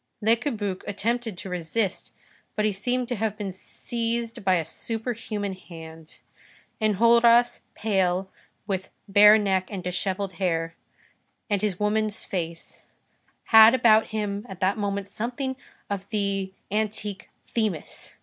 Le Cabuc attempted to resist, but he seemed to have been seized by a superhuman hand. Enjolras, pale, with bare neck and dishevelled hair, and his woman's face, had about him at that moment something of the antique Themis.